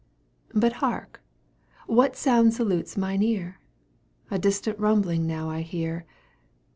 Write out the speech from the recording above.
But hark! what sound salutes mine ear? A distant rumbling now I hear.